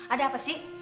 ada apa sih